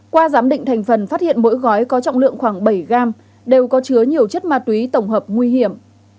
qua giám định thành phần phát hiện mỗi gói có trọng lượng khoảng bảy gram đều có chứa nhiều chất ma túy tổng hợp nguy hiểm